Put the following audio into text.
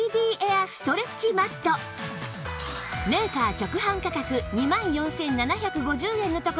メーカー直販価格２万４７５０円のところ